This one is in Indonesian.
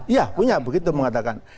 ya punya begitu mengatakan